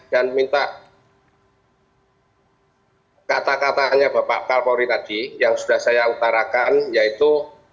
dan minta kata katanya bapak pak polri tadi yang sudah saya utarakan yaitu